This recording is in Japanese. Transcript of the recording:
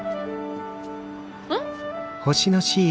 うん？